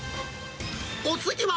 お次は。